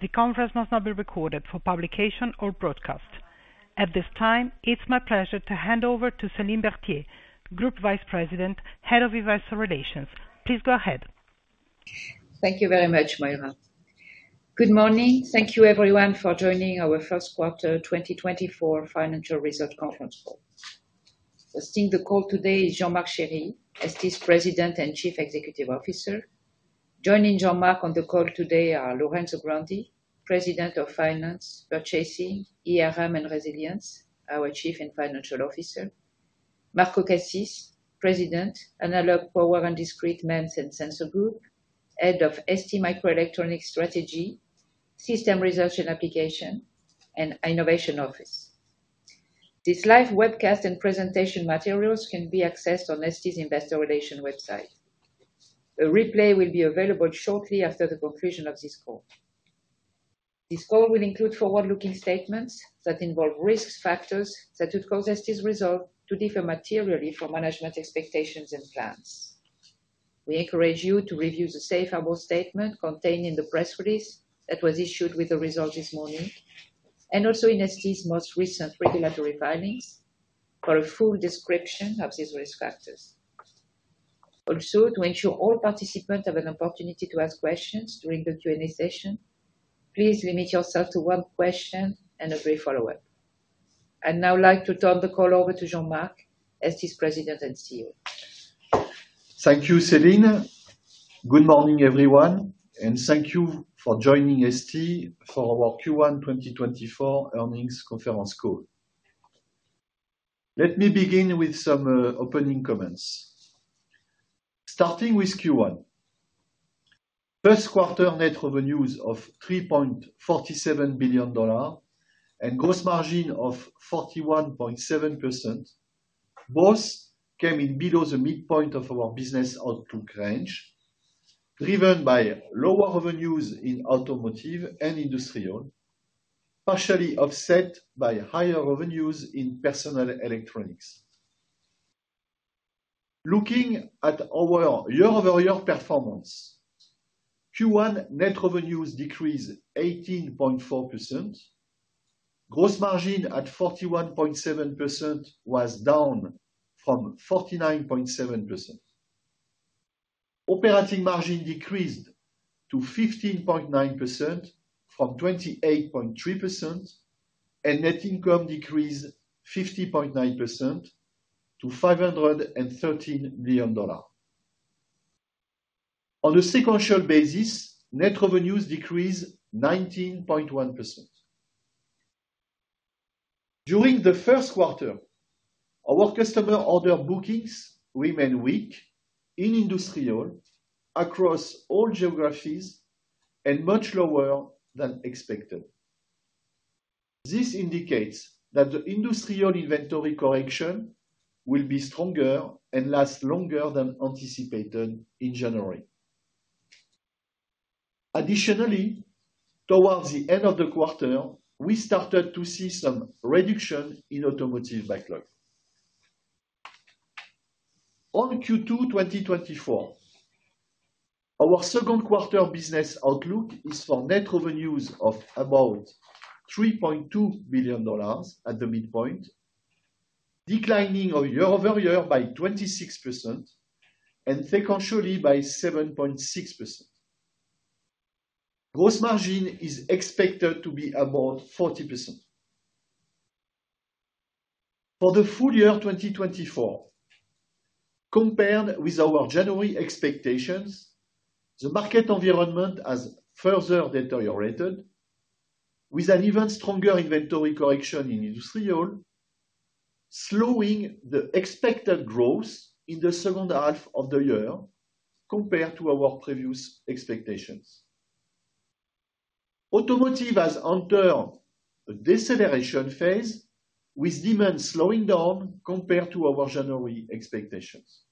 The conference must not be recorded for publication or broadcast. At this time, it's my pleasure to hand over to Céline Berthier, Group Vice President, Head of Events and Relations. Please go ahead. Thank you very much, Moira. Good morning. Thank you, everyone, for joining our First Quarter 2024 Financial Result Conference call. Hosting the call today is Jean-Marc Chéry, ST President and Chief Executive Officer. Joining Jean-Marc on the call today are Lorenzo Grandi, President of Finance, Purchasing, and Resilience, our Chief Financial Officer; Marco Cassis, President, Analog, Power and Discrete, MEMS and Sensors Group, Head of STMicroelectronics Strategy, System Research and Application, and Innovation Office. These live webcast and presentation materials can be accessed on ST's Investor Relations website. A replay will be available shortly after the conclusion of this call. This call will include forward-looking statements that involve risk factors that would cause ST's results to differ materially from management expectations and plans. We encourage you to review the safe harbor statement contained in the press release that was issued with the results this morning, and also in ST's most recent regulatory filings for a full description of these risk factors. Also, to ensure all participants have an opportunity to ask questions during the Q&A session, please limit yourself to one question and a follow-up. I'd now like to turn the call over to Jean-Marc, ST's President and CEO. Thank you, Céline. Good morning, everyone, and thank you for joining ST for our Q1 2024 Earnings Conference call. Let me begin with some opening comments. Starting with Q1, first quarter net revenues of $3.47 billion and gross margin of 41.7%, both came in below the midpoint of our business outlook range, driven by lower revenues in automotive and industrial, partially offset by higher revenues in personal electronics. Looking at our year-over-year performance, Q1 net revenues decreased 18.4%. Gross margin at 41.7% was down from 49.7%. Operating margin decreased to 15.9% from 28.3%, and net income decreased 50.9% to $513 million. On a sequential basis, net revenues decreased 19.1%. During the first quarter, our customer order bookings remained weak in industrial, across all geographies, and much lower than expected. This indicates that the industrial inventory correction will be stronger and last longer than anticipated in January. Additionally, towards the end of the quarter, we started to see some reduction in automotive backlog. On Q2 2024, our second quarter business outlook is for net revenues of about $3.2 billion at the midpoint, declining year-over-year by 26% and sequentially by 7.6%. Gross margin is expected to be about 40%. For the full year 2024, compared with our January expectations, the market environment has further deteriorated, with an even stronger inventory correction in industrial, slowing the expected growth in the second half of the year compared to our previous expectations. Automotive has entered a deceleration phase, with demand slowing down compared to our January expectations.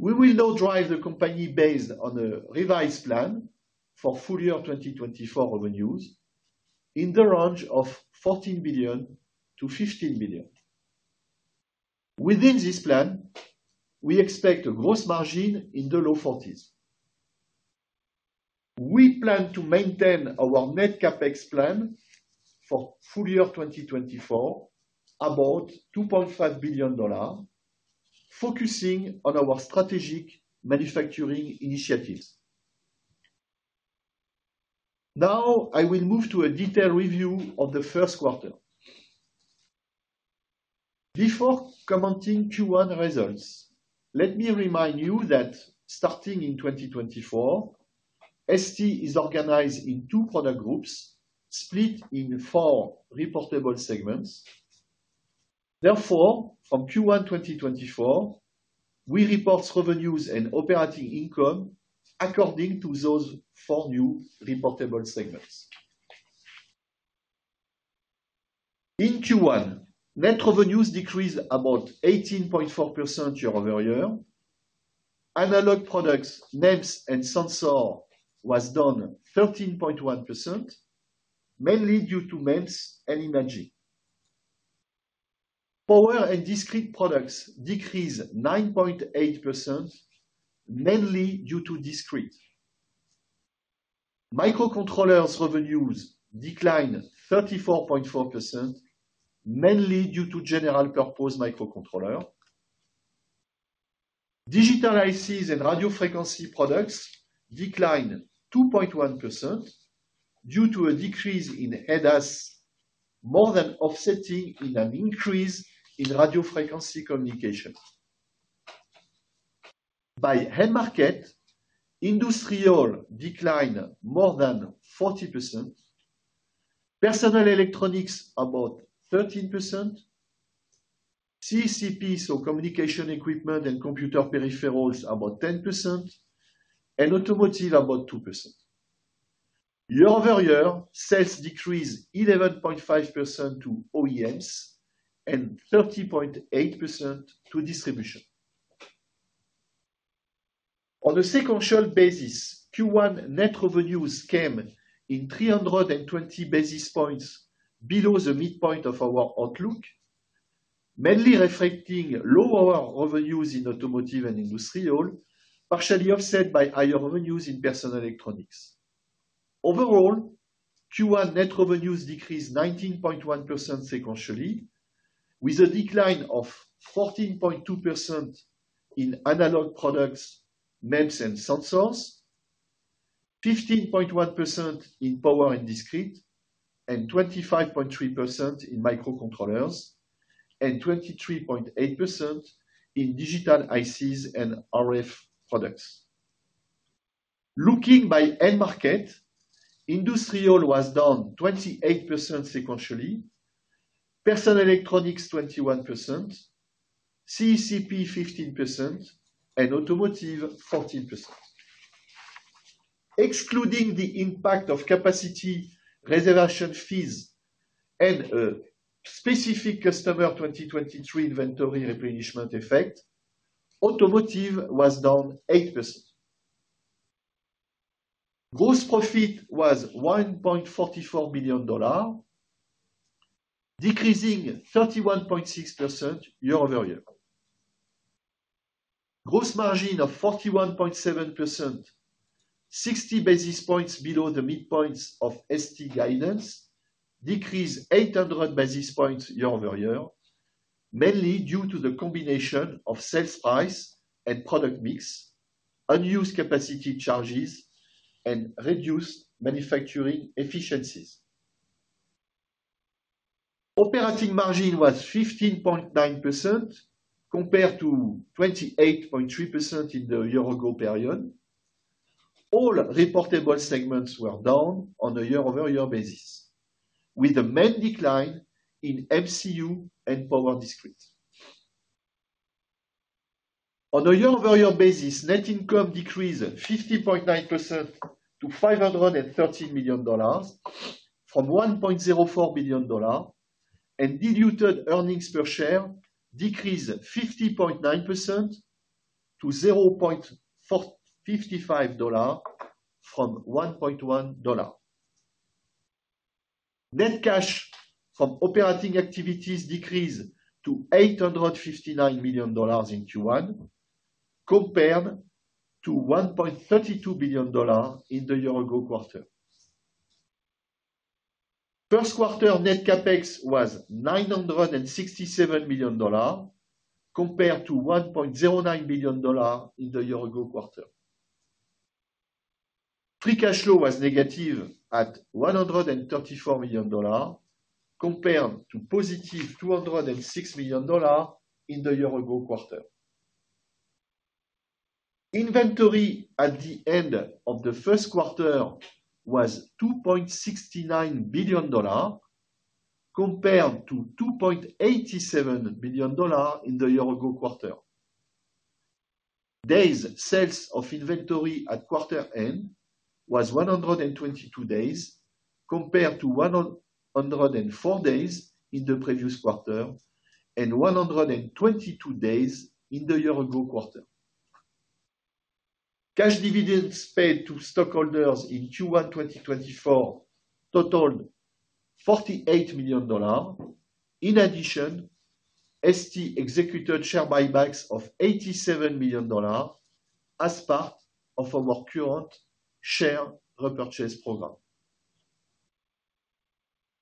We will now drive the company based on a revised plan for full year 2024 revenues in the range of $14 billion-$15 billion. Within this plan, we expect a gross margin in the low 40s%. We plan to maintain our net CapEx plan for full year 2024 about $2.5 billion, focusing on our strategic manufacturing initiatives. Now I will move to a detailed review of the first quarter. Before commenting Q1 results, let me remind you that starting in 2024, ST is organized in two product groups split in four reportable segments. Therefore, from Q1 2024, we report revenues and operating income according to those four new reportable segments. In Q1, net revenues decreased about 18.4% year-over-year. Analog products MEMS and sensors were down 13.1%, mainly due to MEMS and imaging. Power and discrete products decreased 9.8%, mainly due to discrete. Microcontrollers revenues declined 34.4%, mainly due to general purpose microcontrollers. Digital ICs and radio frequency products declined 2.1% due to a decrease in ADAS more than offsetting an increase in radio frequency communication. By end market, industrial declined more than 40%, personal electronics about 13%, CCPs, so communication equipment and computer peripherals, about 10%, and automotive about 2%. Year-over-year, sales decreased 11.5% to OEMs and 30.8% to distribution. On a sequential basis, Q1 net revenues came in 320 basis points below the midpoint of our outlook, mainly reflecting lower revenues in automotive and industrial, partially offset by higher revenues in personal electronics. Overall, Q1 net revenues decreased 19.1% sequentially, with a decline of 14.2% in analog products, MEMS and sensors, 15.1% in power and discrete, and 25.3% in microcontrollers, and 23.8% in digital ICs and RF products. Looking by end market, industrial was down 28% sequentially, personal electronics 21%, CCP 15%, and automotive 14%. Excluding the impact of capacity reservation fees and a specific customer 2023 inventory replenishment effect, automotive was down 8%. Gross profit was $1.44 billion, decreasing 31.6% year-over-year. Gross margin of 41.7%, 60 basis points below the midpoints of ST guidance, decreased 800 basis points year-over-year, mainly due to the combination of sales price and product mix, unused capacity charges, and reduced manufacturing efficiencies. Operating margin was 15.9% compared to 28.3% in the year-ago period. All reportable segments were down on a year-over-year basis, with a main decline in MCU and power discrete. On a year-over-year basis, net income decreased 50.9% to $513 million from $1.04 billion, and diluted earnings per share decreased 50.9% to $0.55 from $1.1. Net cash from operating activities decreased to $859 million in Q1 compared to $1.32 billion in the year-ago quarter. First quarter net CapEx was $967 million compared to $1.09 billion in the year-ago quarter. Free cash flow was negative at $134 million compared to positive $206 million in the year-ago quarter. Inventory at the end of the first quarter was $2.69 billion compared to $2.87 billion in the year-ago quarter. Days' sales of inventory at quarter end was 122 days compared to 104 days in the previous quarter and 122 days in the year-ago quarter. Cash dividends paid to stockholders in Q1 2024 totaled $48 million. In addition, ST executed share buybacks of $87 million as part of our current share repurchase program.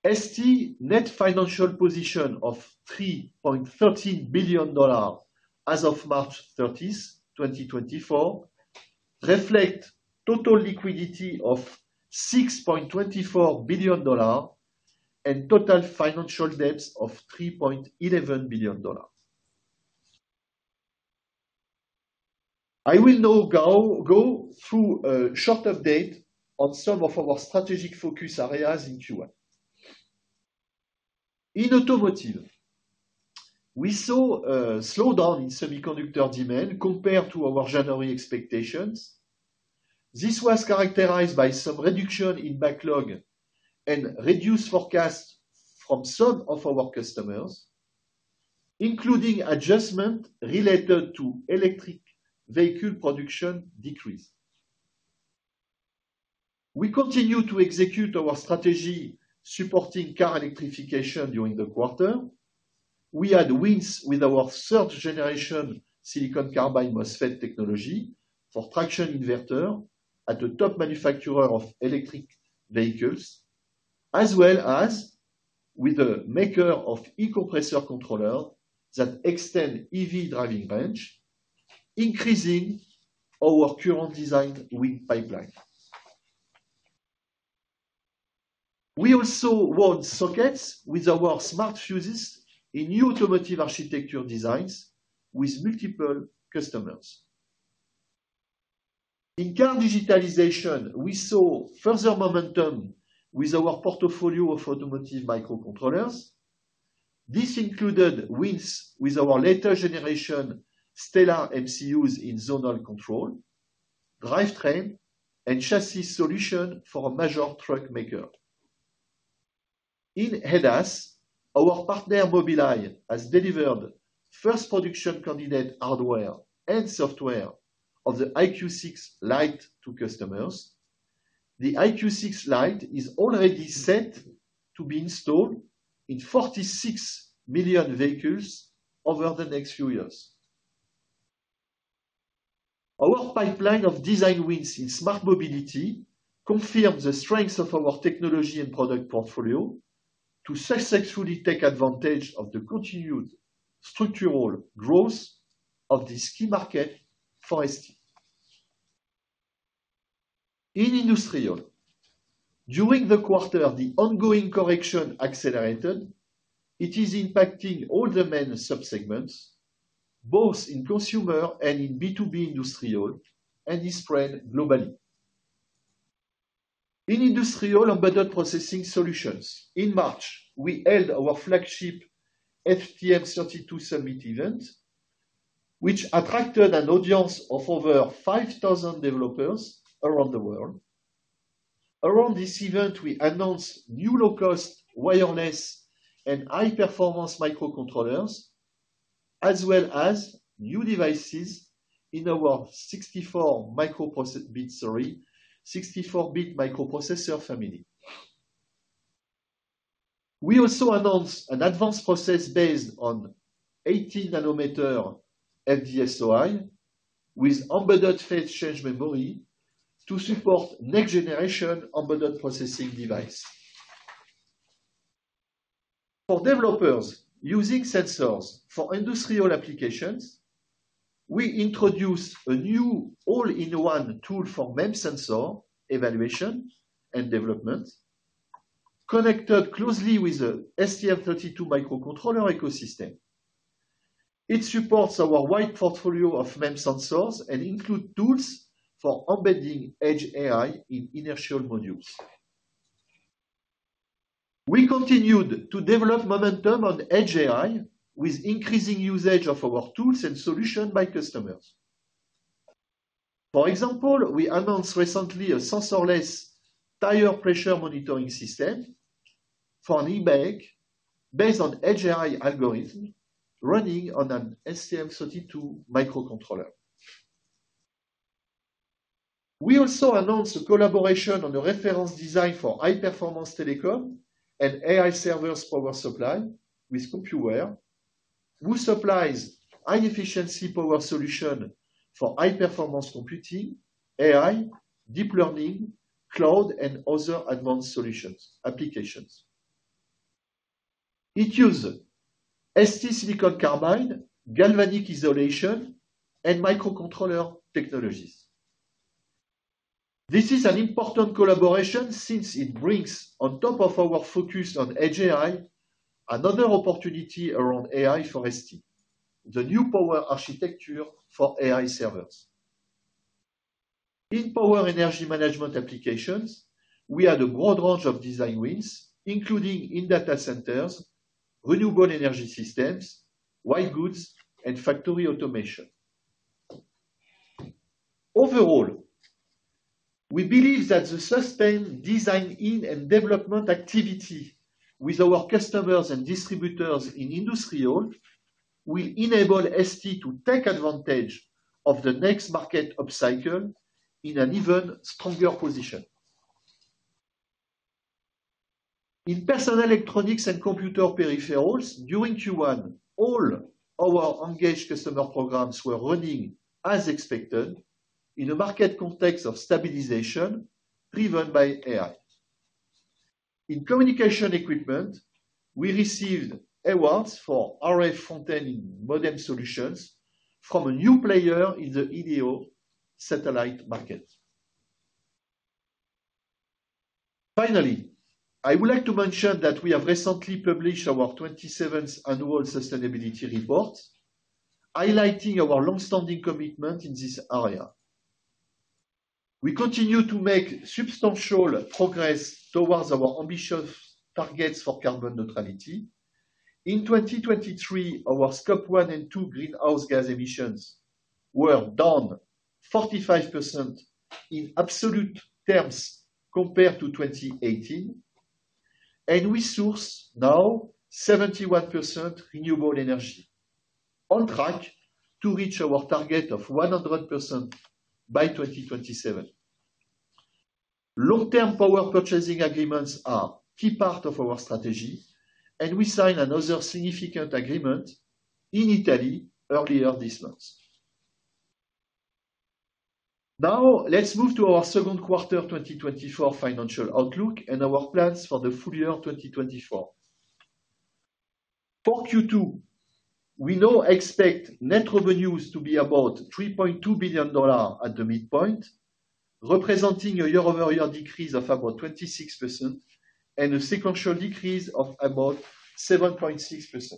ST's net financial position of $3.13 billion as of March 30th, 2024, reflects total liquidity of $6.24 billion and total financial debts of $3.11 billion. I will now go through a short update on some of our strategic focus areas in Q1. In automotive, we saw a slowdown in semiconductor demand compared to our January expectations. This was characterized by some reduction in backlog and reduced forecasts from some of our customers, including adjustments related to electric vehicle production decrease. We continue to execute our strategy supporting car electrification during the quarter. We had wins with our third generation silicon carbide MOSFET technology for traction inverter at the top manufacturer of electric vehicles, as well as with the maker of e-compressor controllers that extend EV driving range, increasing our current design win pipeline. We also won sockets with our smart fuses in new automotive architecture designs with multiple customers. In car digitalization, we saw further momentum with our portfolio of automotive microcontrollers. This included wins with our later generation Stellar MCUs in zonal control, drivetrain, and chassis solution for a major truck maker. In ADAS, our partner Mobileye has delivered first production candidate hardware and software of the EyeQ6 Lite to customers. The EyeQ6 Lite is already set to be installed in 46 million vehicles over the next few years. Our pipeline of design wins in smart mobility confirms the strength of our technology and product portfolio to successfully take advantage of the continued structural growth of this key market for ST. In industrial, during the quarter, the ongoing correction accelerated. It is impacting all the main subsegments, both in consumer and in B2B industrial, and it spread globally. In industrial embedded processing solutions, in March, we held our flagship STM32 Summit event, which attracted an audience of over 5,000 developers around the world. Around this event, we announced new low-cost wireless and high-performance microcontrollers, as well as new devices in our 64 microprocessors, sorry, 64-bit microprocessor family. We also announced an advanced process based on 18 nanometer FDSOI with embedded phase change memory to support next generation embedded processing devices. For developers using sensors for industrial applications, we introduced a new all-in-one tool for MEMS sensor evaluation and development connected closely with the STM32 microcontroller ecosystem. It supports our wide portfolio of MEMS sensors and includes tools for embedding Edge AI in inertial modules. We continued to develop momentum on Edge AI with increasing usage of our tools and solutions by customers. For example, we announced recently a sensorless tire pressure monitoring system for an e-bike based on Edge AI algorithm running on an STM32 microcontroller. We also announced a collaboration on a reference design for high-performance telecom and AI servers power supply with Compuware, who supplies high-efficiency power solutions for high-performance computing, AI, deep learning, cloud, and other advanced solutions applications. It uses ST silicon carbide, galvanic isolation, and microcontroller technologies. This is an important collaboration since it brings, on top of our focus on Edge AI, another opportunity around AI for ST: the new power architecture for AI servers. In power energy management applications, we had a broad range of design wins, including in data centers, renewable energy systems, white goods, and factory automation. Overall, we believe that the sustained design in and development activity with our customers and distributors in industrial will enable ST to take advantage of the next market upcycle in an even stronger position. In personal electronics and computer peripherals during Q1, all our engaged customer programs were running as expected in a market context of stabilization driven by AI. In communication equipment, we received awards for RF front-end modem solutions from a new player in the LEO satellite market. Finally, I would like to mention that we have recently published our 27th annual sustainability report highlighting our long-standing commitment in this area. We continue to make substantial progress towards our ambitious targets for carbon neutrality. In 2023, our Scope 1 and 2 greenhouse gas emissions were down 45% in absolute terms compared to 2018, and we source now 71% renewable energy on track to reach our target of 100% by 2027. Long-term power purchasing agreements are a key part of our strategy, and we signed another significant agreement in Italy earlier this month. Now, let's move to our second quarter 2024 financial outlook and our plans for the full year 2024. For Q2, we now expect net revenues to be about $3.2 billion at the midpoint, representing a year-over-year decrease of about 26% and a sequential decrease of about 7.6%.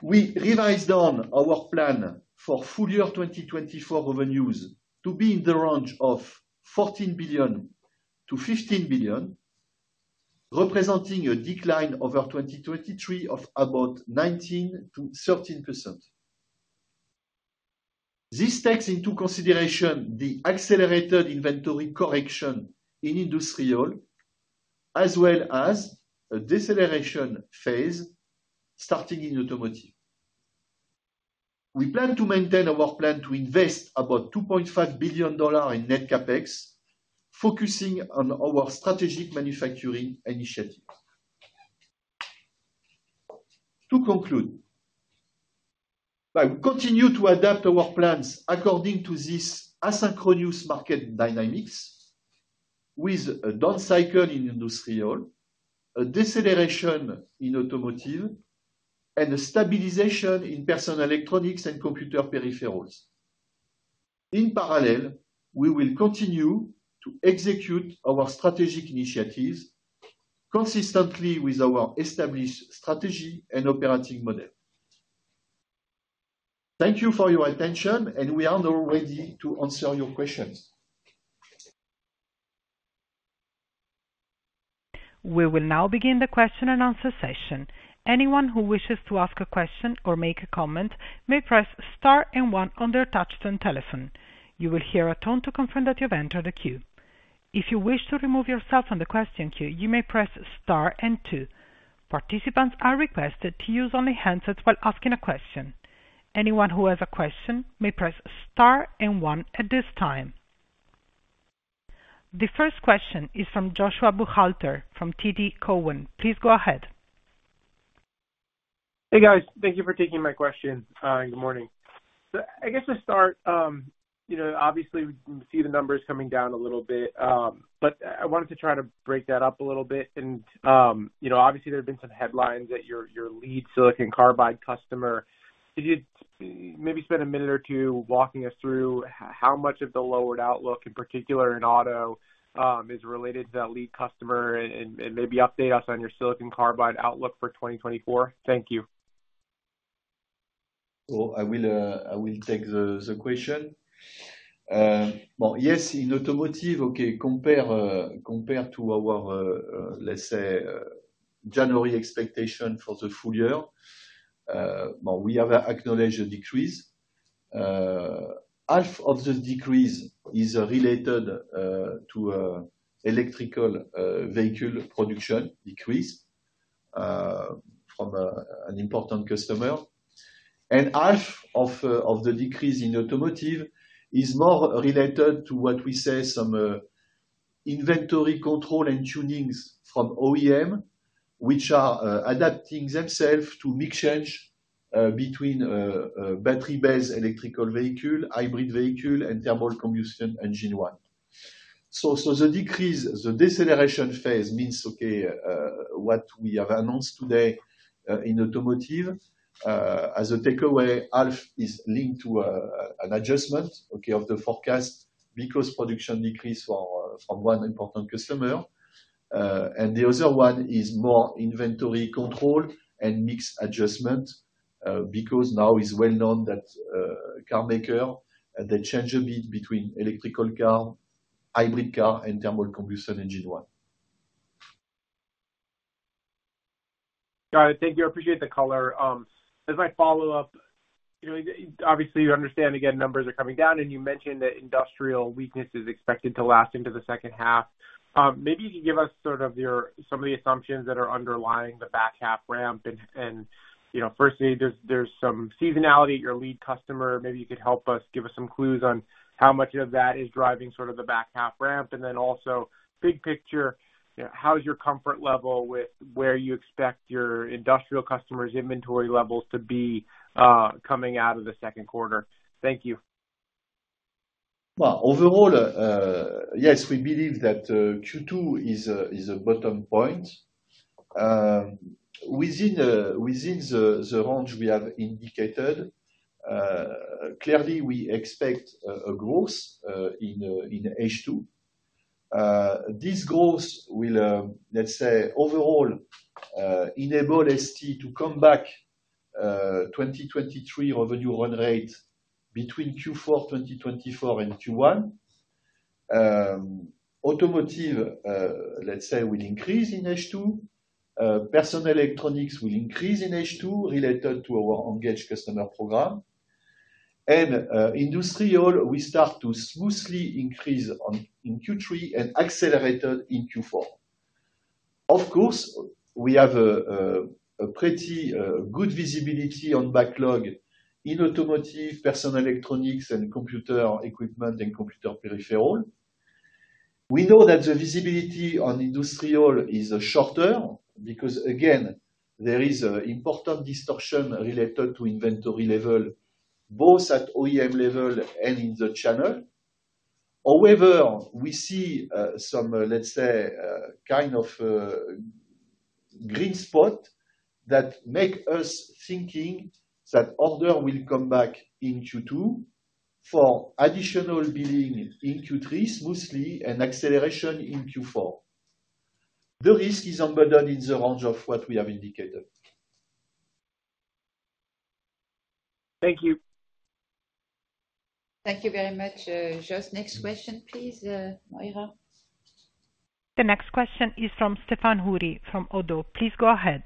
We revised down our plan for full year 2024 revenues to be in the range of $14 billion-$15 billion, representing a decline over 2023 of about 19%-13%. This takes into consideration the accelerated inventory correction in industrial, as well as a deceleration phase starting in automotive. We plan to maintain our plan to invest about $2.5 billion in net CapEx, focusing on our strategic manufacturing initiatives. To conclude, we continue to adapt our plans according to this asynchronous market dynamics with a downcycle in industrial, a deceleration in automotive, and a stabilization in personal electronics and computer peripherals. In parallel, we will continue to execute our strategic initiatives consistently with our established strategy and operating model. Thank you for your attention, and we are now ready to answer your questions. We will now begin the question and answer session. Anyone who wishes to ask a question or make a comment may press star and one on their touchscreen telephone. You will hear a tone to confirm that you have entered the queue. If you wish to remove yourself from the question queue, you may press star and two. Participants are requested to use only handsets while asking a question. Anyone who has a question may press star and one at this time. The first question is from Joshua Buchalter from TD Cowen. Please go ahead. Hey guys, thank you for taking my question. Good morning. So I guess to start, obviously, we can see the numbers coming down a little bit, but I wanted to try to break that up a little bit. And obviously, there have been some headlines that you're a lead silicon carbide customer. Could you maybe spend a minute or two walking us through how much of the lowered outlook, in particular in auto, is related to that lead customer and maybe update us on your silicon carbide outlook for 2024? Thank you. Well, I will take the question. Yes, in automotive, okay, compared to our, let's say, January expectation for the full year, we have acknowledged a decrease. Half of this decrease is related to electric vehicle production. Decrease from an important customer. And half of the decrease in automotive is more related to what we say some inventory control and tunings from OEM, which are adapting themselves to mix-change between battery-based electric vehicle, hybrid vehicle, and internal combustion engine one. So the decrease, the deceleration phase means, okay, what we have announced today in automotive. As a takeaway, half is linked to an adjustment, okay, of the forecast because production decreased from one important customer. The other one is more inventory control and mix adjustment because now it's well known that car makers, they change a bit between electric car, hybrid car, and internal combustion engine one. Got it. Thank you. I appreciate the color. As my follow-up, obviously, you understand, again, numbers are coming down, and you mentioned that industrial weakness is expected to last into the second half. Maybe you could give us sort of some of the assumptions that are underlying the back half ramp. Firstly, there's some seasonality at your lead customer. Maybe you could help us give us some clues on how much of that is driving sort of the back half ramp. And then also, big picture, how is your comfort level with where you expect your industrial customers' inventory levels to be coming out of the second quarter? Thank you. Well, overall, yes, we believe that Q2 is a bottom point. Within the range we have indicated, clearly, we expect a growth in H2. This growth will, let's say, overall, enable ST to come back to 2023 revenue run rate between Q4 2024 and Q1. Automotive, let's say, will increase in H2. Personal electronics will increase in H2 related to our engaged customer program. And industrial, we start to smoothly increase in Q3 and accelerated in Q4. Of course, we have a pretty good visibility on backlog in automotive, personal electronics, and computer equipment and computer peripheral. We know that the visibility on industrial is shorter because, again, there is an important distortion related to inventory level, both at OEM level and in the channel. However, we see some, let's say, kind of green spot that makes us think that order will come back in Q2 for additional billing in Q3 smoothly and acceleration in Q4. The risk is embedded in the range of what we have indicated. Thank you. Thank you very much. Josh, next question, please, Moira. The next question is from Stéphane Houri from Oddo. Please go ahead.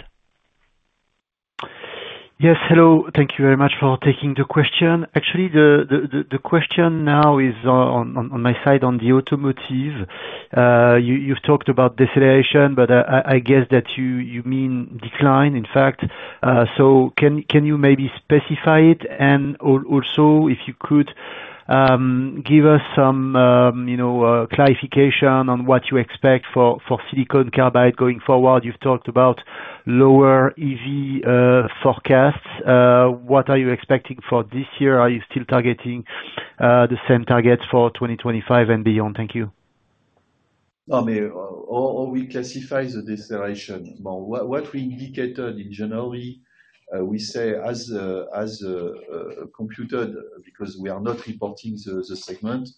Yes, hello. Thank you very much for taking the question. Actually, the question now is on my side, on the automotive. You've talked about deceleration, but I guess that you mean decline, in fact. So can you maybe specify it? Also, if you could give us some clarification on what you expect for silicon carbide going forward. You've talked about lower EV forecasts. What are you expecting for this year? Are you still targeting the same targets for 2025 and beyond? Thank you. I mean, how we classify the deceleration? What we indicated in January, we say as computed because we are not reporting the segment,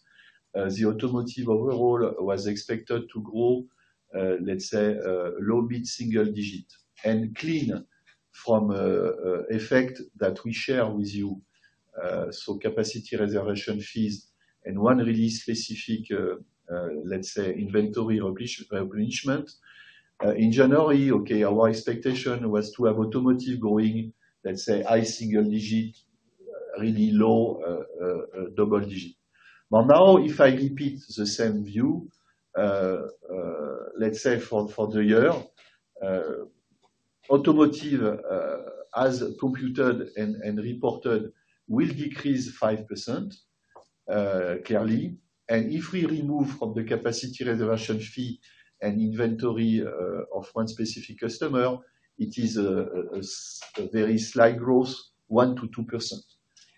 the automotive overall was expected to grow, let's say, low- to mid-single-digit and clean from effect that we share with you. So capacity reservation fees and one release specific, let's say, inventory replenishment. In January, okay, our expectation was to have automotive growing, let's say, high-single-digit, really low double-digit. But now, if I repeat the same view, let's say for the year, automotive, as computed and reported, will decrease 5% clearly. If we remove from the capacity reservation fee and inventory of one specific customer, it is a very slight growth, 1%-2%.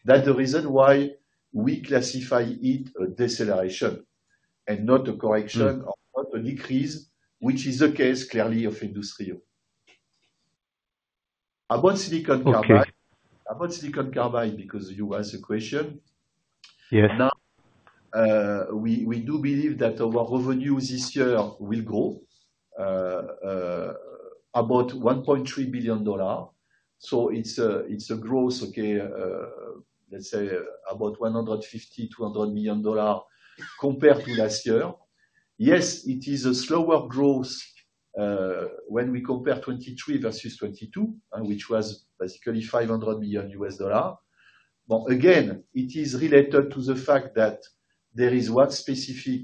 That's the reason why we classify it as deceleration and not a correction or not a decrease, which is the case clearly of industrial. About silicon carbide, because you asked the question, now, we do believe that our revenue this year will grow about $1.3 billion. So it's a growth, okay, let's say, about $150-$200 million compared to last year. Yes, it is a slower growth when we compare 2023 versus 2022, which was basically $500 million. But again, it is related to the fact that there is one specific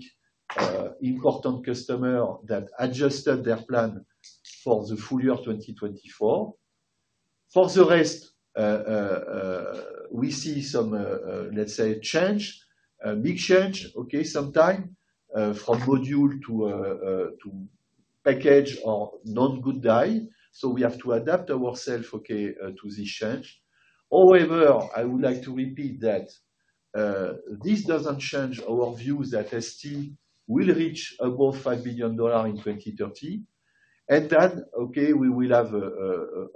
important customer that adjusted their plan for the full year 2024. For the rest, we see some, let's say, change, mix change, okay, sometimes from module to package or known good die. So we have to adapt ourselves, okay, to this change. However, I would like to repeat that this doesn't change our views that ST will reach above $5 billion in 2030. And then, okay, we will have,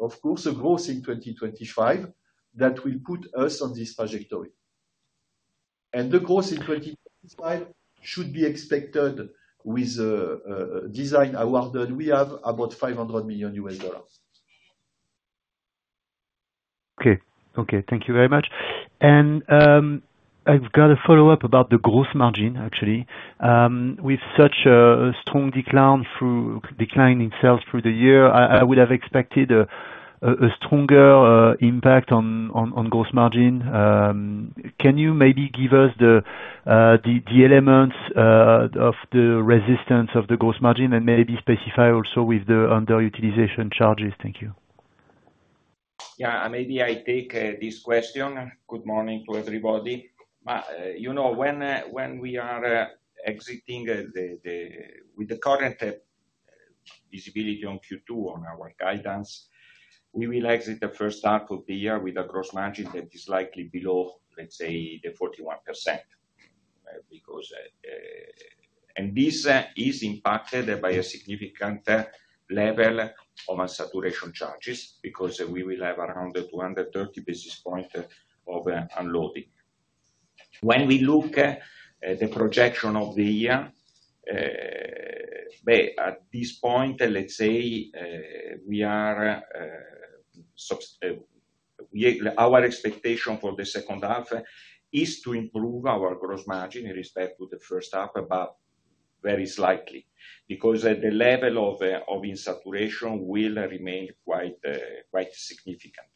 of course, a growth in 2025 that will put us on this trajectory. And the growth in 2025 should be expected with design awarded. We have about $500 million. Okay. Okay. Thank you very much. And I've got a follow-up about the gross margin, actually. With such a strong decline in sales through the year, I would have expected a stronger impact on gross margin. Can you maybe give us the elements of the resistance of the gross margin and maybe specify also with the underutilization charges? Thank you. Yeah, maybe I take this question. Good morning to everybody. But when we are exiting with the current visibility on Q2, on our guidance, we will exit the first half of the year with a gross margin that is likely below, let's say, the 41%. And this is impacted by a significant level of unsaturation charges because we will have around 230 basis points of unloading. When we look at the projection of the year, at this point, let's say, our expectation for the second half is to improve our gross margin in respect to the first half, but very slightly because the level of insaturation will remain quite significant.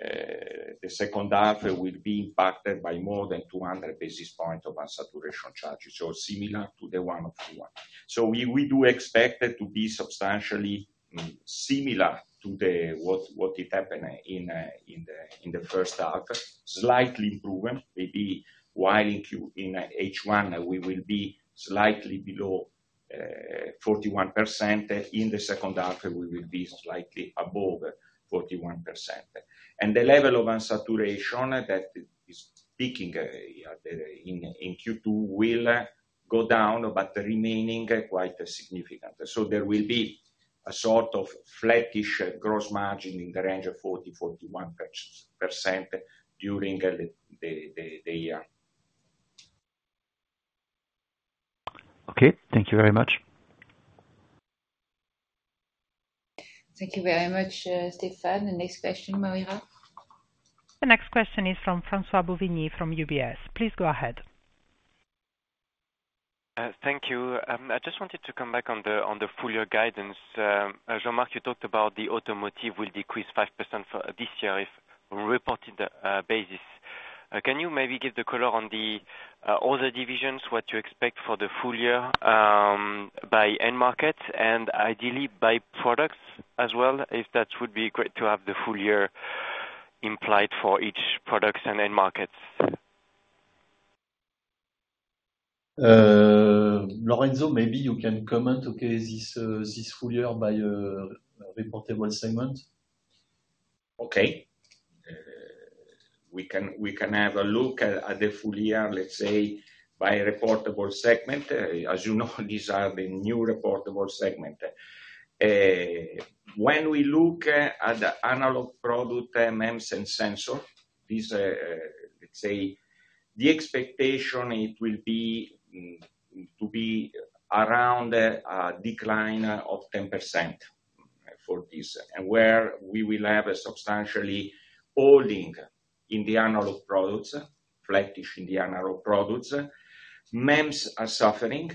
The second half will be impacted by more than 200 basis points of unsaturation charges, so similar to the one of Q1. So we do expect it to be substantially similar to what it happened in the first half, slightly improving. Maybe while in H1, we will be slightly below 41%. In the second half, we will be slightly above 41%. And the level of unsaturation that is peaking in Q2 will go down but remain quite significant. So there will be a sort of flatish gross margin in the range of 40%-41% during the year. Okay. Thank you very much. Thank you very much, Stephan. The next question, Moira. The next question is from François Bouvignies from UBS. Please go ahead. Thank you. I just wanted to come back on the full year guidance. Jean-Marc, you talked about the automotive will decrease 5% this year on reported basis. Can you maybe give the color on all the divisions, what you expect for the full year by end markets and ideally by products as well? If that would be great to have the full year implied for each product and end markets. Lorenzo, maybe you can comment, okay, this full year by reportable segment? Okay. We can have a look at the full year, let's say, by reportable segment. As you know, these are the new reportable segment. When we look at the analog products, MEMS and sensors, let's say, the expectation it will be to be around a decline of 10% for this where we will have substantially holding in the analog products, flatish in the analog products. MEMS are suffering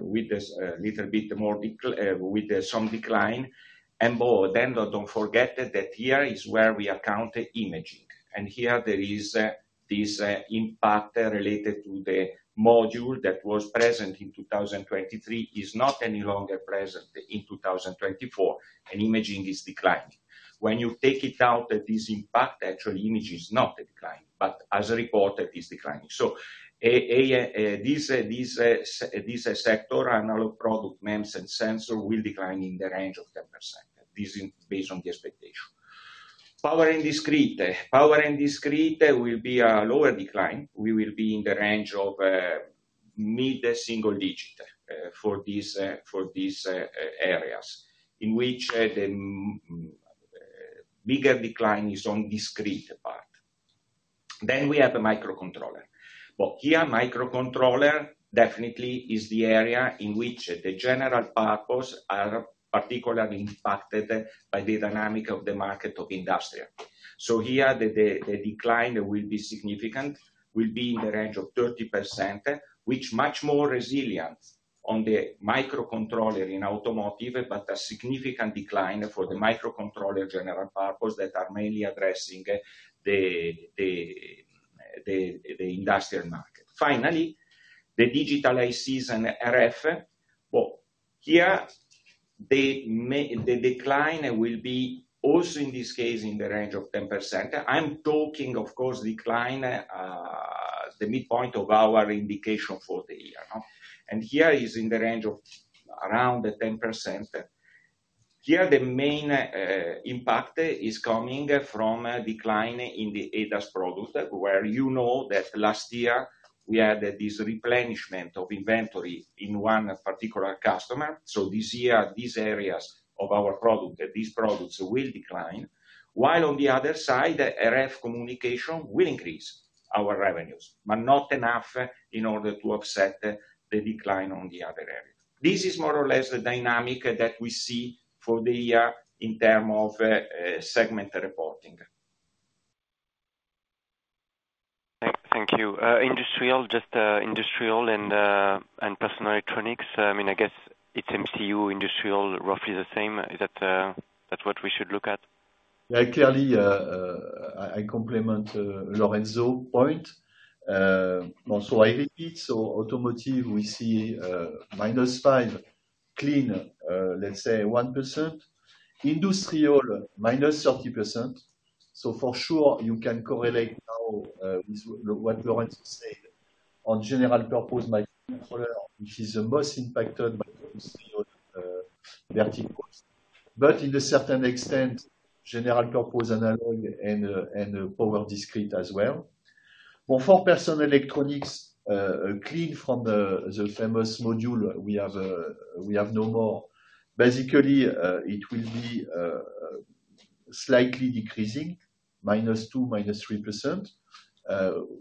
with a little bit more with some decline. And then don't forget that here is where we account imaging. And here, there is this impact related to the module that was present in 2023 is not any longer present in 2024, and imaging is declining. When you take it out, this impact, actually, image is not declining, but as reported, it's declining. So this sector, analog products, MEMS and sensors, will decline in the range of 10%. This is based on the expectation. Power and discrete. Power and discrete will be a lower decline. We will be in the range of mid single digit for these areas in which the bigger decline is on discrete part. Then we have a microcontroller. But here, microcontroller definitely is the area in which the general purpose are particularly impacted by the dynamic of the market of industry. So here, the decline will be significant, will be in the range of 30%, which is much more resilient on the microcontroller in automotive but a significant decline for the microcontroller general purpose that are mainly addressing the industrial market. Finally, the digital ICs and RF. Well, here, the decline will be also in this case in the range of 10%. I'm talking, of course, decline, the midpoint of our indication for the year. And here is in the range of around 10%. Here, the main impact is coming from a decline in the ADAS product where you know that last year, we had this replenishment of inventory in one particular customer. So this year, these areas of our product, these products will decline, while on the other side, RF communication will increase our revenues but not enough in order to offset the decline on the other area. This is more or less the dynamic that we see for the year in terms of segment reporting. Thank you. Industrial, just industrial and personal electronics. I mean, I guess it's MCU, industrial, roughly the same. Is that what we should look at? Yeah, clearly, I complement Lorenzo's point. So I repeat. So automotive, we see -5%, clean, let's say, 1%. Industrial, -30%. So for sure, you can correlate now with what Lorenzo said on general purpose microcontroller, which is the most impacted by industrial verticals. But in a certain extent, general purpose analog and power discrete as well. For personal electronics, clean from the famous module, we have no more. Basically, it will be slightly decreasing, -2%-3%,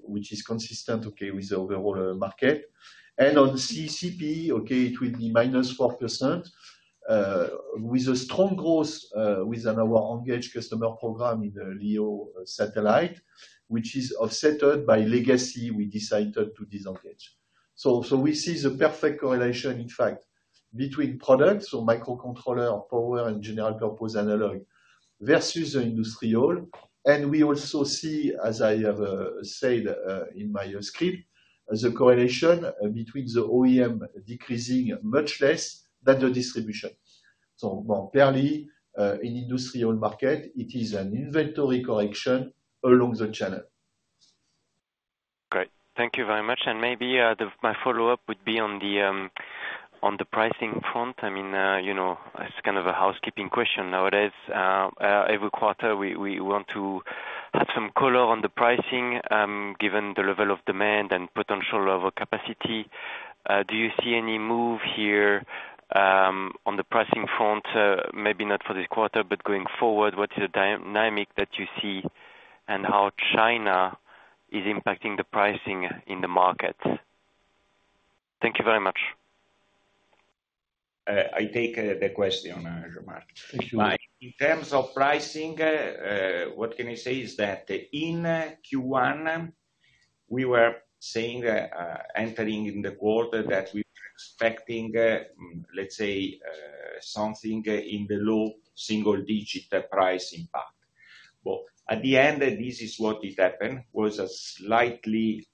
which is consistent, okay, with the overall market. And on CCP, okay, it will be -4% with a strong growth with our engaged customer program in LEO satellite, which is offset by legacy we decided to disengage. So we see the perfect correlation, in fact, between products, so microcontroller, power, and general purpose analog versus the industrial. We also see, as I have said in my script, the correlation between the OEM decreasing much less than the distribution. So clearly, in industrial market, it is an inventory correction along the channel. Great. Thank you very much. Maybe my follow-up would be on the pricing front. I mean, it's kind of a housekeeping question nowadays. Every quarter, we want to add some color on the pricing given the level of demand and potential of our capacity. Do you see any move here on the pricing front, maybe not for this quarter, but going forward? What's the dynamic that you see and how China is impacting the pricing in the market? Thank you very much. I take the question, Jean-Marc. Thank you. In terms of pricing, what can I say is that in Q1, we were entering in the quarter that we were expecting, let's say, something in the low single digit price impact. But at the end, this is what it happened, was a slightly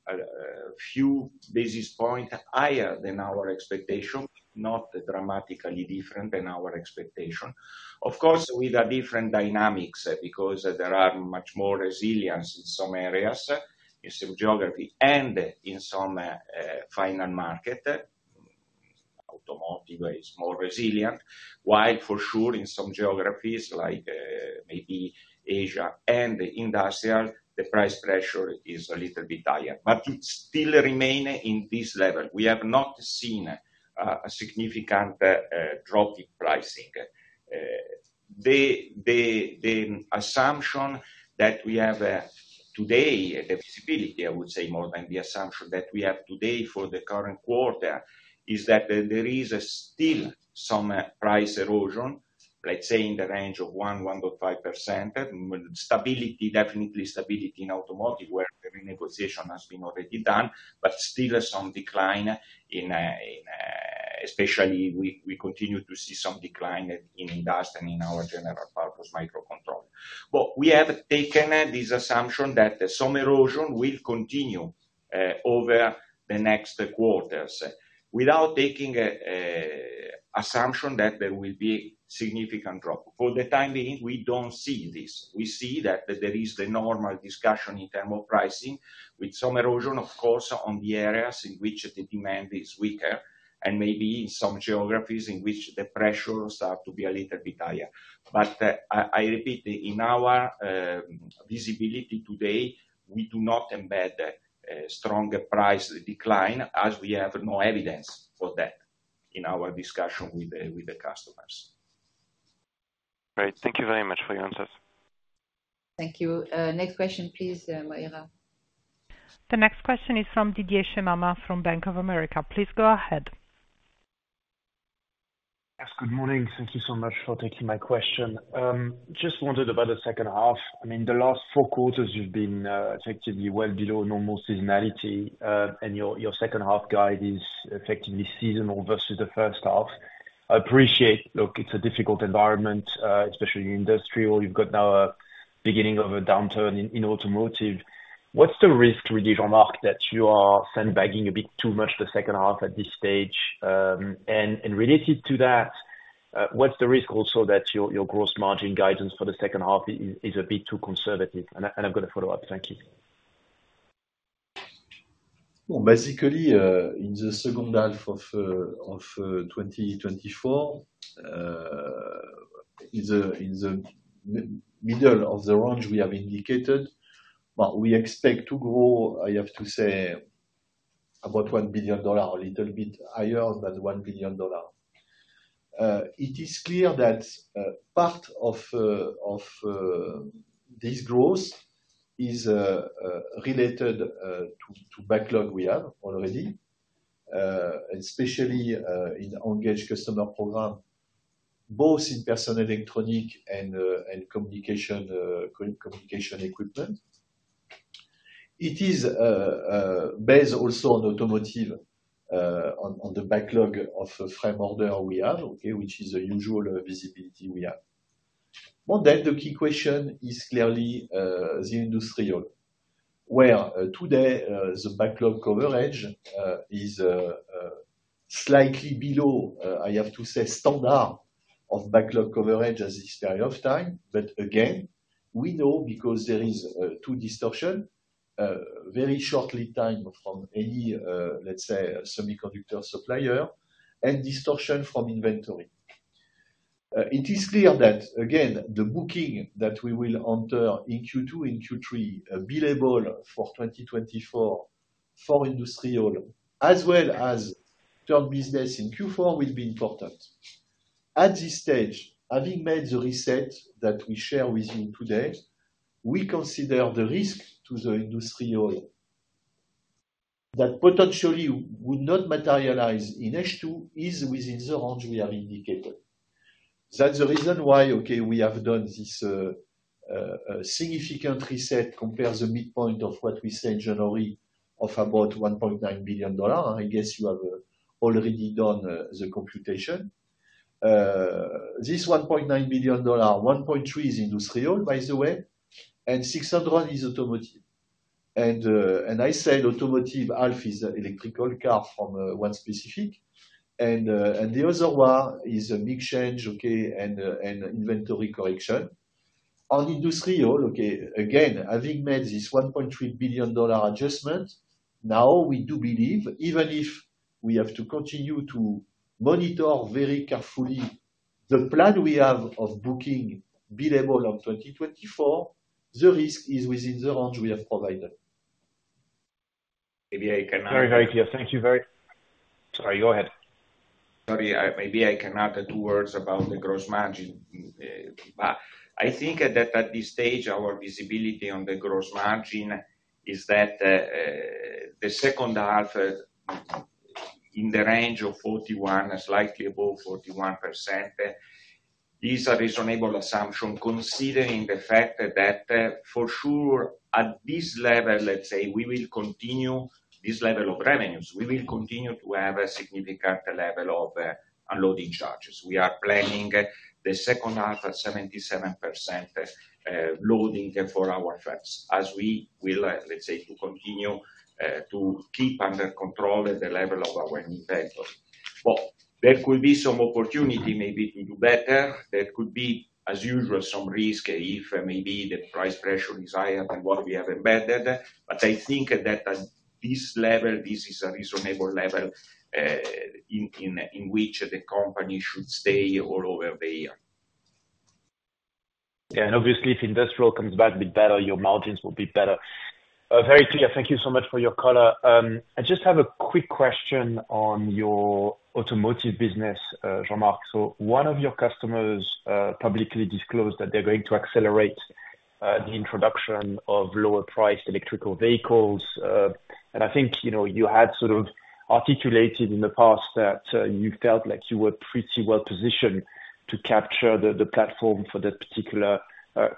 few basis points higher than our expectation, not dramatically different than our expectation. Of course, with different dynamics because there are much more resilience in some areas, in some geography, and in some final market, automotive is more resilient, while for sure, in some geographies like maybe Asia and industrial, the price pressure is a little bit higher. But it still remains in this level. We have not seen a significant drop in pricing. The assumption that we have today, the visibility, I would say, more than the assumption that we have today for the current quarter, is that there is still some price erosion, let's say, in the range of 1%-1.5%, stability, definitely stability in automotive where the renegotiation has been already done, but still some decline, especially we continue to see some decline in industry and in our general purpose microcontroller. But we have taken this assumption that some erosion will continue over the next quarters without taking assumption that there will be a significant drop. For the time being, we don't see this. We see that there is the normal discussion in terms of pricing with some erosion, of course, on the areas in which the demand is weaker and maybe in some geographies in which the pressure starts to be a little bit higher. But I repeat, in our visibility today, we do not embed a strong price decline as we have no evidence for that in our discussion with the customers. Great. Thank you very much for your answers. Thank you. Next question, please, Moira. The next question is from Didier Scemama from Bank of America. Please go ahead. Yes. Good morning. Thank you so much for taking my question. Just wondered about the second half. I mean, the last four quarters, you've been effectively well below normal seasonality, and your second half guide is effectively seasonal versus the first half. I appreciate. Look, it's a difficult environment, especially industrial. You've got now a beginning of a downturn in automotive. What's the risk, really, Jean-Marc, that you are sandbagging a bit too much the second half at this stage? Related to that, what's the risk also that your gross margin guidance for the second half is a bit too conservative? I've got a follow-up. Thank you. Well, basically, in the second half of 2024, in the middle of the range we have indicated, but we expect to grow, I have to say, about $1 billion, a little bit higher than $1 billion. It is clear that part of this growth is related to backlog we have already, especially in engaged customer program, both in personal electronic and communication equipment. It is based also on automotive, on the backlog of frame order we have, okay, which is the usual visibility we have. But then the key question is clearly the industrial where today, the backlog coverage is slightly below, I have to say, standard of backlog coverage at this period of time. But again, we know because there is too much distortion, very short lead time from any, let's say, semiconductor supplier and distortion from inventory. It is clear that, again, the booking that we will enter in Q2, in Q3, billable for 2024 for industrial as well as automotive business in Q4 will be important. At this stage, having made the reset that we share with you today, we consider the risk to the industrial that potentially would not materialize in H2 is within the range we have indicated. That's the reason why, okay, we have done this significant reset compared to the midpoint of what we said in January of about $1.9 billion. I guess you have already done the computation. This $1.9 billion, $1.3 billion is industrial, by the way, and $600 million is automotive. And I said automotive half is electric car from one specific, and the other one is a big change, okay, and inventory correction. On industrial, okay, again, having made this $1.3 billion adjustment, now we do believe, even if we have to continue to monitor very carefully the plan we have of book-to-bill for 2024, the risk is within the range we have provided. Maybe I cannot be very, very clear. Thank you very sorry. Go ahead. Sorry. Maybe I cannot add two words about the gross margin. But I think that at this stage, our visibility on the gross margin is that the second half in the range of 41%-slightly above 41% is a reasonable assumption considering the fact that for sure, at this level, let's say, we will continue this level of revenues. We will continue to have a significant level of underloading charges. We are planning the second half at 77% loading for our fabs as we will, let's say, continue to keep under control the level of our inventory. But there could be some opportunity maybe to do better. There could be, as usual, some risk if maybe the price pressure is higher than what we have embedded. But I think that at this level, this is a reasonable level in which the company should stay all over the year. Yeah. And obviously, if industrial comes back a bit better, your margins will be better. Very clear. Thank you so much for your color. I just have a quick question on your automotive business, Jean-Marc. So one of your customers publicly disclosed that they're going to accelerate the introduction of lower-priced electric vehicles. And I think you had sort of articulated in the past that you felt like you were pretty well positioned to capture the platform for that particular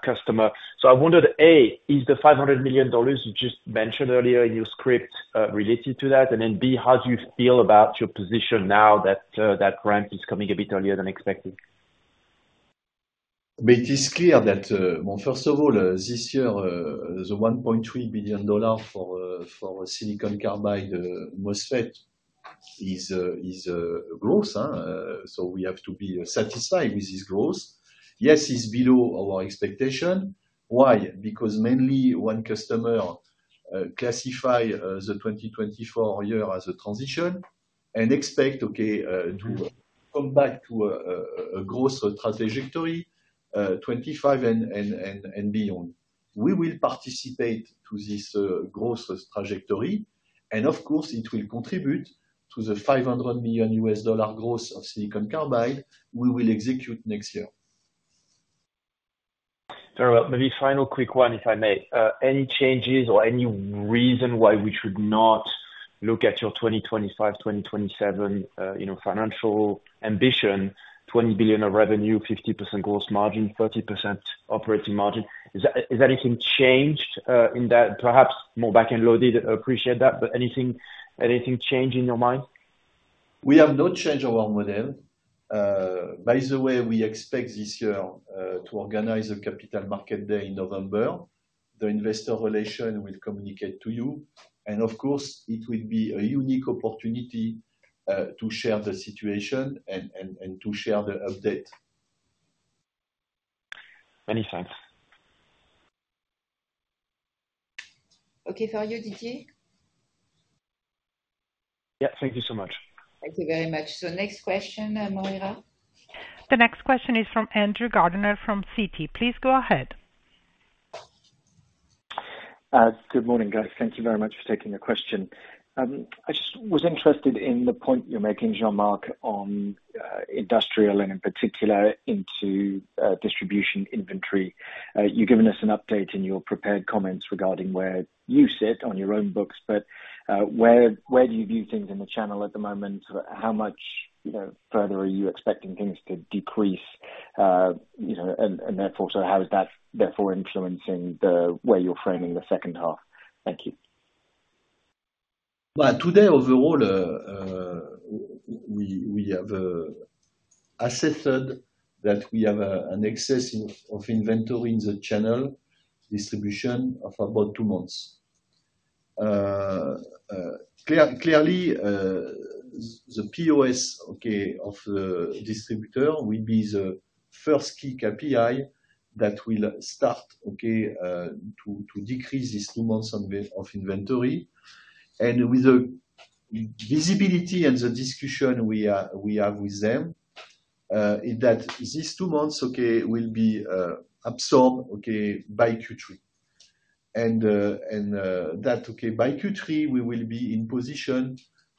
customer. So I wondered, A, is the $500 million you just mentioned earlier in your script related to that? And then B, how do you feel about your position now that ramp is coming a bit earlier than expected? But it is clear that, well, first of all, this year, the $1.3 billion for silicon carbide MOSFET is growth. So we have to be satisfied with this growth. Yes, it's below our expectation. Why? Because mainly, one customer classified the 2024 year as a transition and expect, okay, to come back to a stronger trajectory, 2025 and beyond. We will participate to this stronger trajectory. And of course, it will contribute to the $500 million gross of silicon carbide we will execute next year. Very well. Maybe final quick one, if I may. Any changes or any reason why we should not look at your 2025, 2027 financial ambition, $20 billion of revenue, 50% gross margin, 30% operating margin? Is anything changed in that? Perhaps more back-end loaded, appreciate that. But anything change in your mind? We have not changed our model. By the way, we expect this year to organize a capital market day in November. The Investor Relations will communicate to you. And of course, it will be a unique opportunity to share the situation and to share the update. Many thanks. Okay. For you, Didier? Yeah. Thank you so much. Thank you very much. So next question, Moira. The next question is from Andrew Gardner from Citi. Please go ahead. Good morning, guys. Thank you very much for taking the question. I just was interested in the point you're making, Jean-Marc, on industrial and in particular into distribution inventory. You've given us an update in your prepared comments regarding where you sit on your own books. But where do you view things in the channel at the moment? How much further are you expecting things to decrease? And therefore, so how is that therefore influencing the way you're framing the second half? Thank you. Well, today, overall, we have assessed that we have an excess of inventory in the channel distribution of about two months. Clearly, the POS, okay, of the distributor will be the first key KPI that will start, okay, to decrease this two months of inventory. With the visibility and the discussion we have with them, is that these two months will be absorbed by Q3. And that by Q3, we will be in position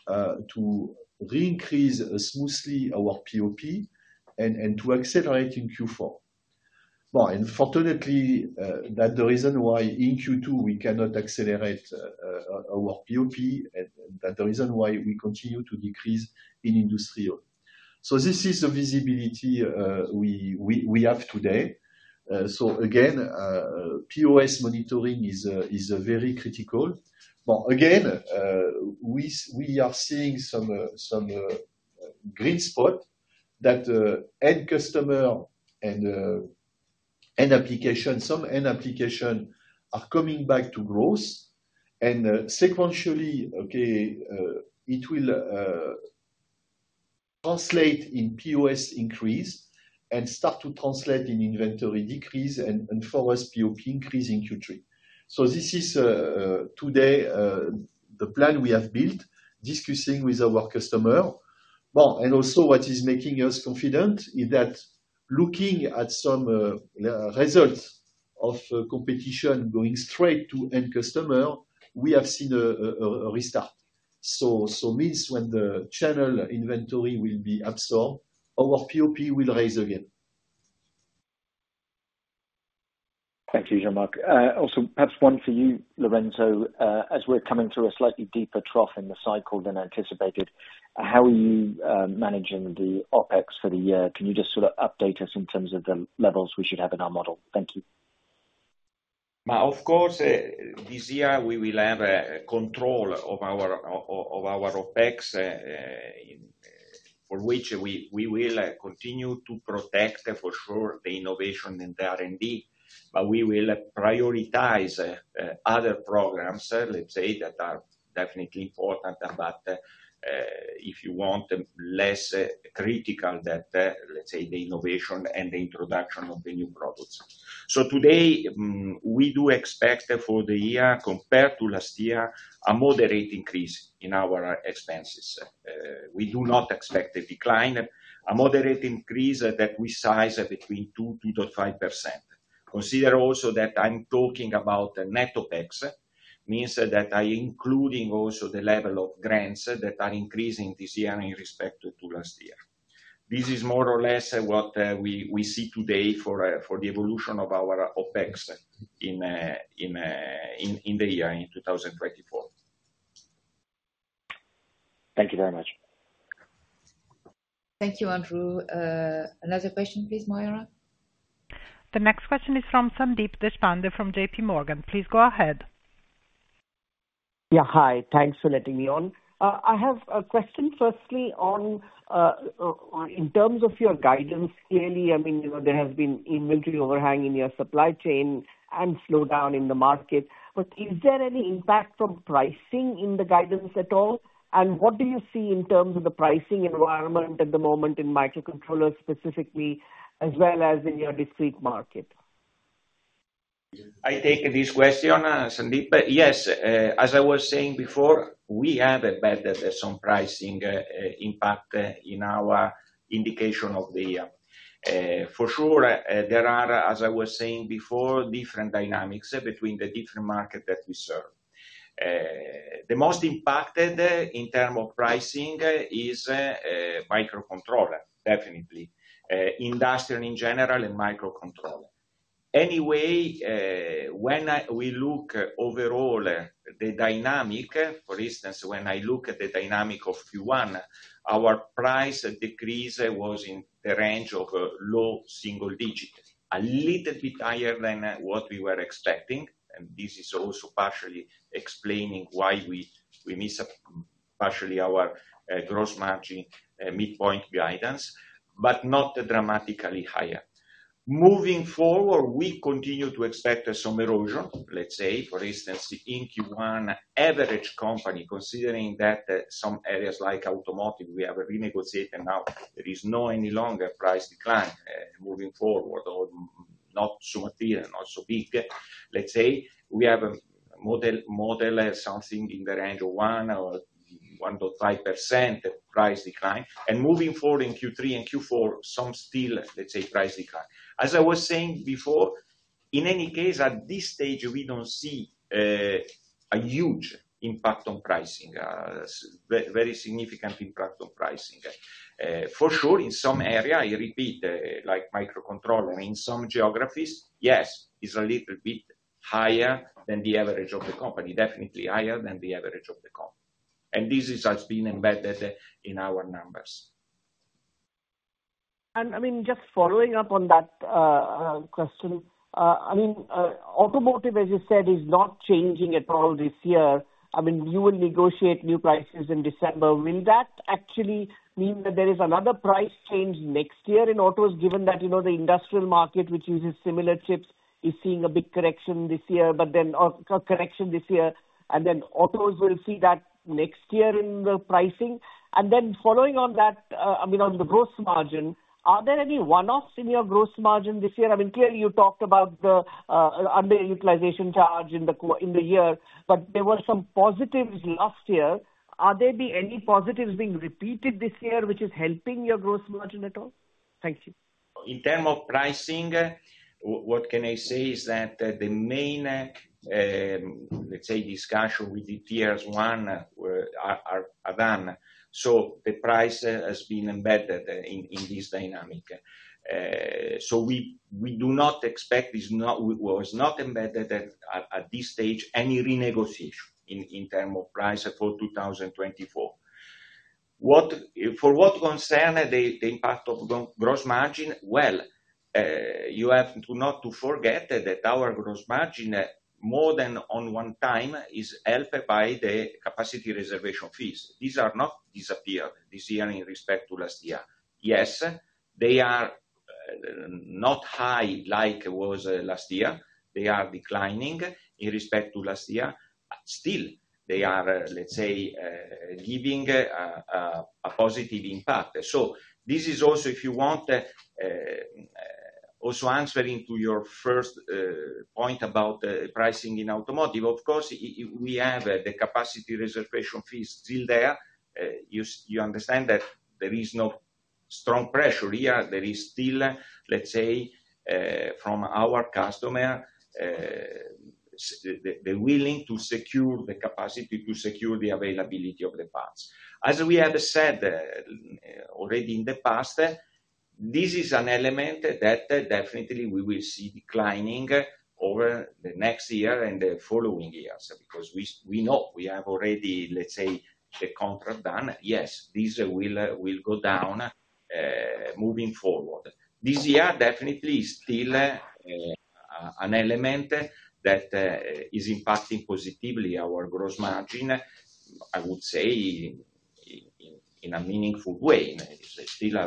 to reincrease smoothly our POP and to accelerate in Q4. Well, unfortunately, that's the reason why in Q2, we cannot accelerate our POP. That's the reason why we continue to decrease in industrial. So this is the visibility we have today. So again, POS monitoring is very critical. But again, we are seeing some green spot that end customer and end application, some end application are coming back to growth. And sequentially, it will translate in POS increase and start to translate in inventory decrease and for us, POP increase in Q3. So this is today the plan we have built discussing with our customer. Well, and also what is making us confident is that looking at some results of competition going straight to end customer, we have seen a restart. So means when the channel inventory will be absorbed, our POP will rise again. Thank you, Jean-Marc. Also, perhaps one for you, Lorenzo. As we're coming through a slightly deeper trough in the cycle than anticipated, how are you managing the OpEx for the year? Can you just sort of update us in terms of the levels we should have in our model? Thank you. Of course, this year, we will have control of our OpEx for which we will continue to protect, for sure, the innovation in the R&D. But we will prioritize other programs, let's say, that are definitely important. But if you want less critical, let's say, the innovation and the introduction of the new products. So today, we do expect for the year, compared to last year, a moderate increase in our expenses. We do not expect a decline, a moderate increase that we size between 2%-2.5%. Consider also that I'm talking about net OpEx. Means that I'm including also the level of grants that are increasing this year in respect to last year. This is more or less what we see today for the evolution of our OpEx in the year, in 2024. Thank you very much. Thank you, Andrew. Another question, please, Moira. The next question is from Sandeep Deshpande from J.P. Morgan. Please go ahead. Yeah. Hi. Thanks for letting me on. I have a question, firstly, in terms of your guidance, clearly, I mean, there has been inventory overhang in your supply chain and slowdown in the market. But is there any impact from pricing in the guidance at all? And what do you see in terms of the pricing environment at the moment in microcontrollers specifically, as well as in your discrete market? I take this question, Sandeep. Yes. As I was saying before, we have embedded some pricing impact in our indication of the year. For sure, there are, as I was saying before, different dynamics between the different markets that we serve. The most impacted in terms of pricing is microcontroller, definitely, industrial in general and microcontroller. Anyway, when we look overall at the dynamics, for instance, when I look at the dynamics of Q1, our price decrease was in the range of low single digits, a little bit higher than what we were expecting. And this is also partially explaining why we missed partially our gross margin midpoint guidance, but not dramatically higher. Moving forward, we continue to expect some erosion, let's say. For instance, in Q1, average company, considering that some areas like automotive, we have renegotiated now. There is no any longer price decline moving forward or not so material and not so big, let's say. We have a model, something in the range of 1% or 1.5% price decline. Moving forward in Q3 and Q4, some still, let's say, price decline. As I was saying before, in any case, at this stage, we don't see a huge impact on pricing, a very significant impact on pricing. For sure, in some area, I repeat, like microcontroller, in some geographies, yes, it's a little bit higher than the average of the company, definitely higher than the average of the company. This has been embedded in our numbers. I mean, just following up on that question, I mean, automotive, as you said, is not changing at all this year. I mean, you will negotiate new prices in December. Will that actually mean that there is another price change next year in autos, given that the industrial market, which uses similar chips, is seeing a big correction this year or a correction this year? And then autos will see that next year in the pricing. And then following on that, I mean, on the gross margin, are there any one-offs in your gross margin this year? I mean, clearly, you talked about the underutilization charge in the year. But there were some positives last year. Are there any positives being repeated this year which is helping your gross margin at all? Thank you. In terms of pricing, what can I say is that the main, let's say, discussion with the Tier 1s are done. So the price has been embedded in this dynamic. So we do not expect this was not embedded at this stage, any renegotiation in terms of price for 2024. For what concerns the impact of gross margin, well, you have not to forget that our gross margin, more than on one time, is helped by the capacity reservation fees. These are not disappeared this year in respect to last year. Yes, they are not high like it was last year. They are declining in respect to last year. Still, they are, let's say, giving a positive impact. So this is also, if you want, also answering to your first point about pricing in automotive. Of course, we have the capacity reservation fees still there. You understand that there is no strong pressure here. There is still, let's say, from our customer, the willingness to secure the capacity to secure the availability of the parts. As we have said already in the past, this is an element that definitely we will see declining over the next year and the following years because we know we have already, let's say, the contract done. Yes, these will go down moving forward. This year definitely is still an element that is impacting positively our gross margin, I would say, in a meaningful way. It's still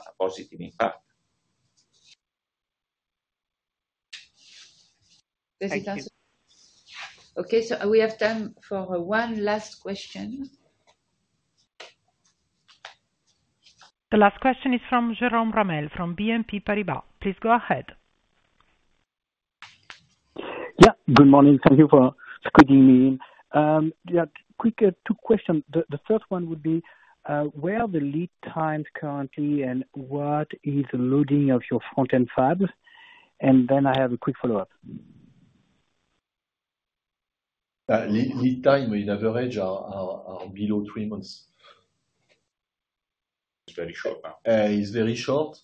a positive impact. Thank you. Okay. So we have time for one last question. The last question is from Jérôme Ramel from BNP Paribas. Please go ahead. Yeah. Good morning. Thank you for squeezing me in. Yeah. Quick two questions. The first one would be, where are the lead times currently, and what is the loading of your front-end fabs? And then I have a quick follow-up. Lead times, on average, are below three months. It's very short now. It's very short.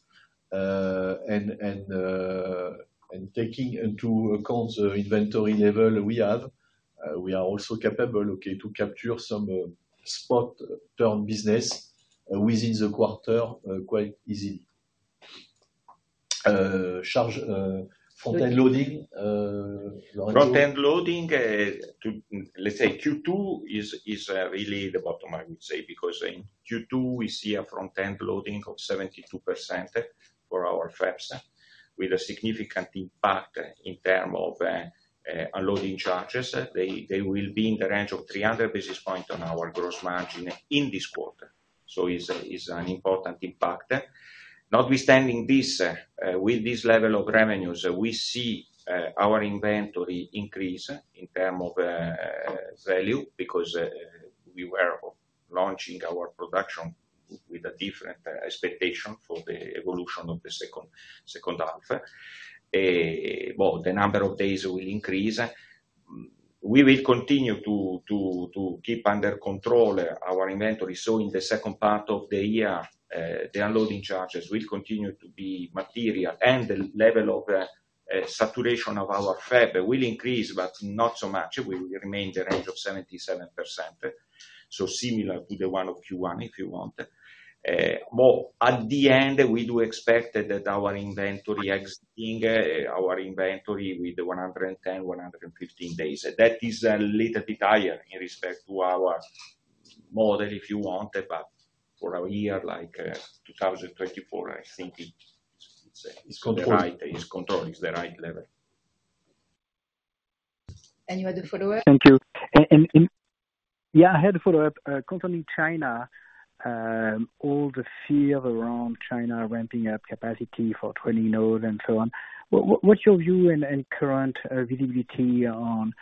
And taking into account the inventory level we have, we are also capable, okay, to capture some spot turn business within the quarter quite easily. Front-end loading, Lorenzo. Front-end loading, let's say, Q2 is really the bottom line, I would say, because in Q2, we see a front-end loading of 72% for our fabs with a significant impact in terms of unloading charges. They will be in the range of 300 basis points on our gross margin in this quarter. So it's an important impact. Notwithstanding this, with this level of revenues, we see our inventory increase in terms of value because we were launching our production with a different expectation for the evolution of the second half. Well, the number of days will increase. We will continue to keep under control our inventory. So in the second part of the year, the unloading charges will continue to be material, and the level of saturation of our fab will increase, but not so much. We will remain in the range of 77%, so similar to the one of Q1, if you want. Well, at the end, we do expect that our inventory exiting our inventory with 110-115 days. That is a little bit higher in respect to our model, if you want. But for a year like 2024, I think it's the right. It's controlled. It's controlled. It's the right level. You had the follow-up. Thank you. Yeah, I had the follow-up. Concerning China, all the fear around China ramping up capacity for 20 nodes and so on, what's your view and current visibility on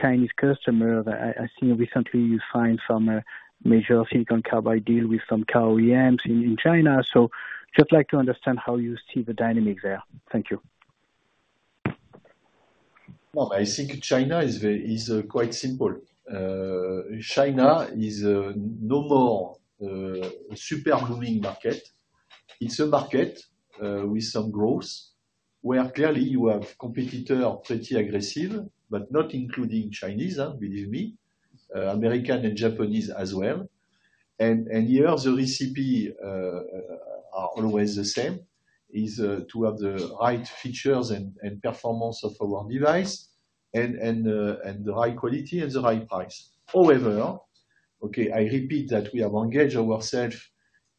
Chinese customers? I see recently you signed some major silicon carbide deal with some Chinese OEMs in China. So just like to understand how you see the dynamics there. Thank you. Well, I think China is quite simple. China is no more a super-booming market. It's a market with some growth where clearly, you have competitors pretty aggressive, but not including Chinese, believe me, American and Japanese as well. And here, the recipe is always the same, is to have the right features and performance of our device and the high quality and the high price. However, okay, I repeat that we have engaged ourselves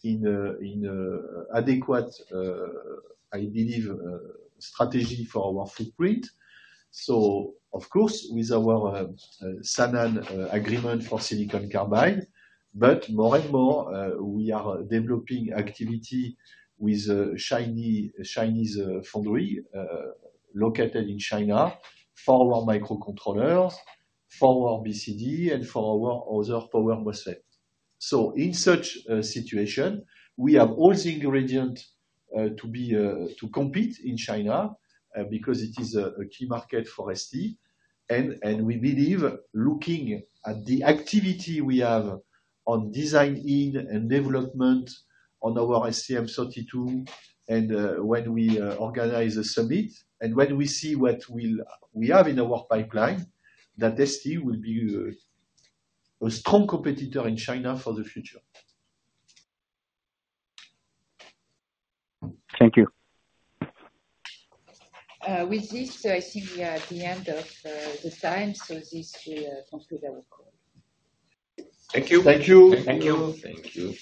in adequate, I believe, strategy for our footprint. So, of course, with our Sanan agreement for silicon carbide, but more and more, we are developing activity with Chinese foundry located in China for our microcontrollers, for our BCD, and for our other power MOSFET. So in such a situation, we have all the ingredients to compete in China because it is a key market for ST. And we believe, looking at the activity we have on design-in and development on our STM32 and when we organize a summit and when we see what we have in our pipeline, that ST will be a strong competitor in China for the future. Thank you. With this, I think we are at the end of the time. So this will conclude our call. Thank you. Thank you. Thank you. Thank you.